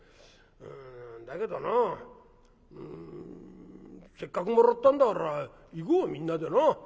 うんだけどなせっかくもらったんだから行こうみんなでな。